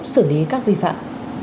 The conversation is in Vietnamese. xử lý các vi phạm